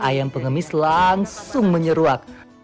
ayam pengemis langsung menyeruak